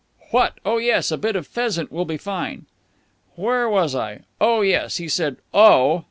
(What? Oh yes, a bit of pheasant will be fine.) Where was I? Oh, yes. He said 'Oh!'